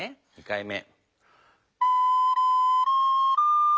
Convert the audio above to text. ２回目。